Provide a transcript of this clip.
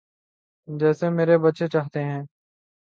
جیسے میرے بچے چاہتے ہیں۔